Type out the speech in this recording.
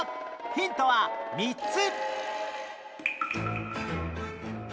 ヒントは３つ！